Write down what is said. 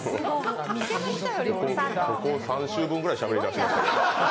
ここ３週分くらいしゃべりだした。